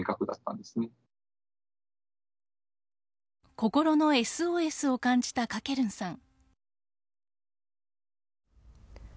心のＳＯＳを感じたかけるんさん。